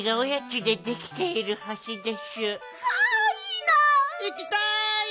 いきたい！